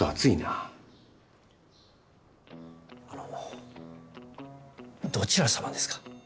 あのどちら様ですか？